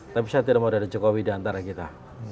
tapi saya tidak mau dari jokowi diantara kita